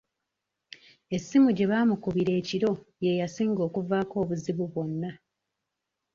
Essimu gye baamukubira ekiro ye yasinga okuvaako obuzibu bwonna.